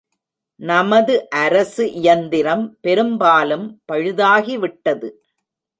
நமது அரசு இயந்திரம் பெரும்பாலும் பழுதாகிவிட்டது.